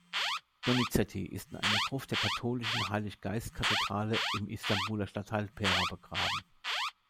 Donizetti ist in einer Gruft der katholischen Heilig-Geist-Kathedrale im Istanbuler Stadtteil Pera begraben.